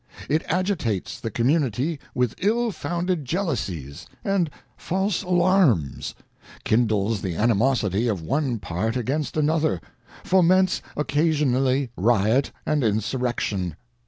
ŌĆö It agitates the community with ill founded jealousies and false alarms, kindles the animosity of one part against another, foments occasionally riot and insurrection.